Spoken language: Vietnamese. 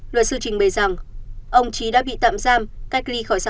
luật sư trình bày rằng ông trí đã bị tạm giam cách ly khỏi sản phẩm